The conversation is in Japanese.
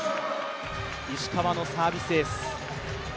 石川のサービスエース。